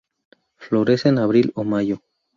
Florece en abril o mayo.